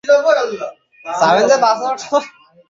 তাঁর জন্মনাম ছিল কলাইবাণী।